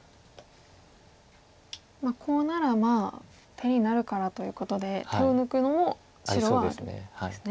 コウならまあ手になるからということで手を抜くのも白はあるんですね。